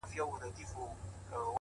چا حاصلي مرتبې کړې چاته نوم د سړي پاته,